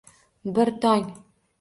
Bir tong